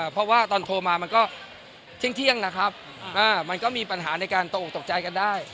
เพราะว่าตอนโทรมามันก็เที่ยงนะครับมันก็มีปัญหาในการตกออกตกใจกันได้